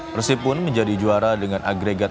persib pun menjadi juara dengan agregat